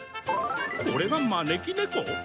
これが招き猫？